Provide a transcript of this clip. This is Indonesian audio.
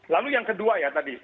lalu yang kedua ya tadi